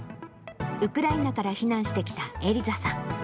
ウクライナから避難してきたエリザさん。